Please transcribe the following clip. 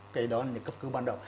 cái đó là những cấp cứu ban đầu